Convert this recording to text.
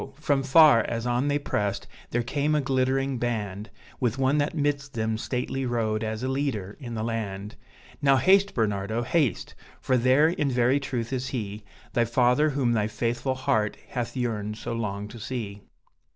from far, as on they pressed, there came a glittering band, With one that midst them stately rode, as a leader in the land; "Now haste, Bernardo, haste! for there, in very truth, is he, The father whom thy faithful heart hath yearned so long to see."